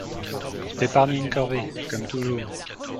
Pour t’épargner une corvée !… comme toujours !…